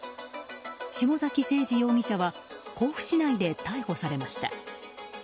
下崎星児容疑者は甲府市内で逮捕されました。